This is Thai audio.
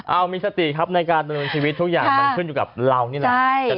เอามีสติครับในการดำเนินชีวิตทุกอย่างมันขึ้นอยู่กับเรานี่แหละ